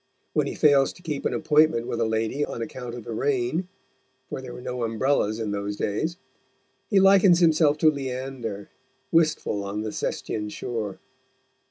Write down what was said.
When he fails to keep an appointment with a lady on account of the rain for there were no umbrellas in those days he likens himself to Leander, wistful on the Sestian shore.